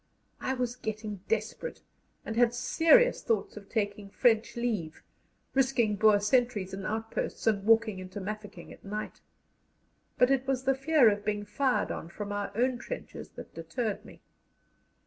I was getting desperate, and had serious thoughts of taking "French leave," risking Boer sentries and outposts, and walking into Mafeking at night; but it was the fear of being fired on from our own trenches that deterred me.